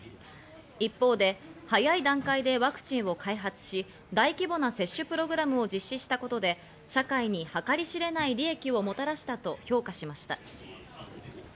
一方で早い段階でワクチンを開発し、大規模な接種プログラムを実施したことで社会に計り知れない利益をもたらしたと評価しました。